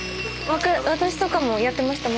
私とかもやってました。